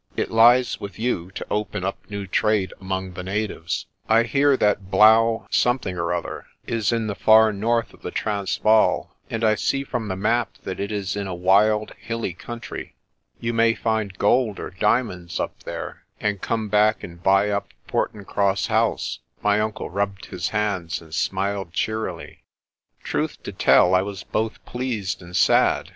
It lies with you to open up new trade among the natives. I hear that Blaauw something or other, is in the far north of the Transvaal, and I see from the map that it is in a wild, hilly country. You may find gold or diamonds up there, and come back 28 PRESTER JOHN and buy up Portincross House." My uncle rubbed his hands and smiled cheerily. Truth to tell I was both pleased and sad.